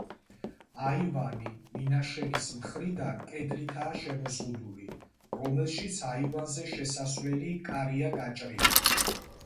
აივანი, მინაშენის მხრიდან, კედლითაა შემოზღუდული, რომელშიც აივანზე შესასვლელი კარია გაჭრილი.